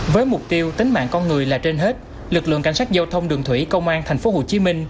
với mục tiêu tính mạng con người là trên hết lực lượng cảnh sát giao thông đường thủy công an tp hcm